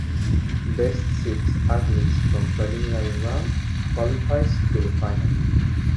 Best six athletes from preliminary round qualifies to the final.